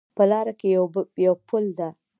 په لاره کې یو پل ده